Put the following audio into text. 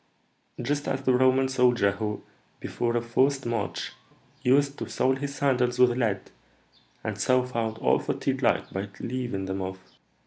"Just as the Roman soldier who, before a forced march, used to sole his sandals with lead, and so found all fatigue light by leaving them off.